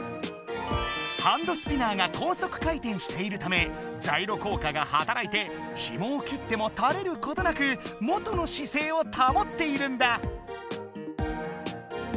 ハンドスピナーが高速回転しているためジャイロ効果がはたらいてひもを切ってもたれることなく元の姿勢をたもっているんだ。